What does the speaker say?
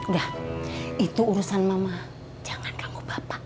gak itu urusan mama jangan ganggu bapak